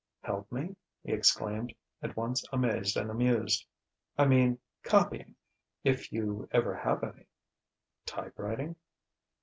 "Help me?" he exclaimed, at once amazed and amused. "I mean, copying if you ever have any." "Type writing?"